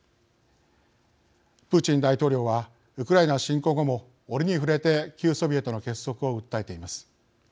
プーチン大統領はウクライナ侵攻後も折に触れて旧ソビエトの結束を訴えています。